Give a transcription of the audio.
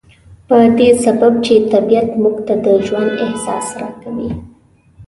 په دې سبب چې طبيعت موږ ته د ژوند احساس را کوي.